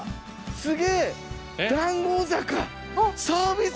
すげぇ談合坂！